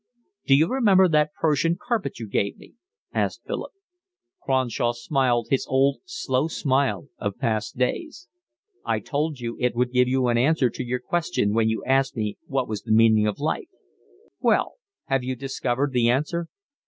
"D'you remember that Persian carpet you gave me?" asked Philip. Cronshaw smiled his old, slow smile of past days. "I told you that it would give you an answer to your question when you asked me what was the meaning of life. Well, have you discovered the answer?"